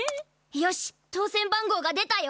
よし当せん番号が出たよ！